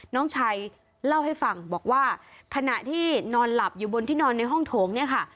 น้องชายเล่าให้ฟังบอกว่าขณะที่นอนหลับอยู่บนที่นอนในห้องโถงเนี่ยค่ะ